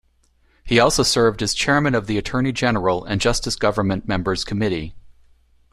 He also served as Chairman of the Attorney-General and Justice Government Members' Committee.